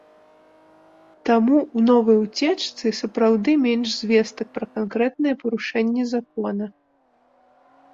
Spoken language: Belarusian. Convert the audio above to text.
Таму ў новай уцечцы сапраўды менш звестак пра канкрэтныя парушэнні закона.